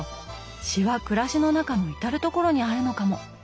詩は暮らしの中の至る所にあるのかも。